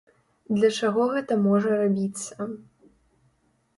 Для чаго гэта можа рабіцца?